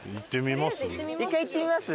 一回行ってみます？